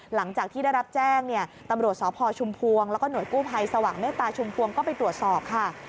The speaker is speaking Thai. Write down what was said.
หลังจากที่ได้รับแจ้งเนี่ยตำรวจสพชุมพวงแล้วก็หน่วยกู้ภัยสว่างเมตตาชุมพวงก็ไปตรวจสอบค่ะ